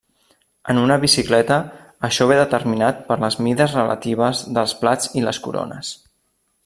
En una bicicleta, això ve determinat per les mides relatives dels plats i les corones.